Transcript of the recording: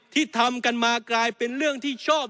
ที่ทำกันมากลายเป็นเรื่องที่ชอบ